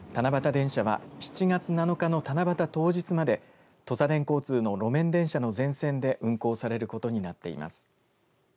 電車は７月７日の七夕当日までとさでん交通の路面電車の全線で運行されることになっています。